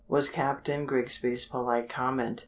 was Captain Grigsby's polite comment.